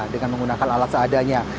dengan menggunakan alat seadanya